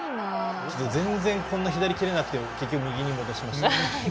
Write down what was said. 全然、左蹴れなくて結局、右に戻しました。